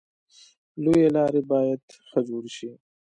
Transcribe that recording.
لویې لارې باید ښه جوړې شي.